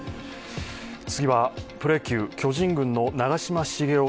次はプロ野球、巨人軍の長嶋茂雄